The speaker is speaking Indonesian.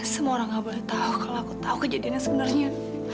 semua orang gak boleh tahu kalau aku tahu kejadiannya sebenarnya